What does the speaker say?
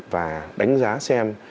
và đánh giá xem